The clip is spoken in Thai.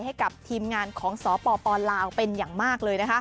ให้กับทีมงานของสปลาวเป็นอย่างมากเลย